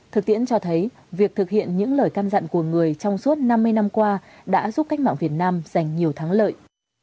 thực tiễn cho thấy việc thực hiện những lời can dặn của người trong suốt năm mươi năm qua đã giúp cách mạng việt nam giành nhiều thắng lợi